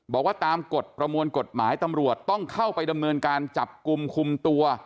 บอกว่าตามกฎประมวลกฎหมายตำรวจต้องเข้าไปดำเนินการจับกลุ่มคุมตัว